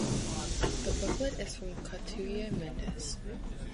The booklet is from Catulle Mendes.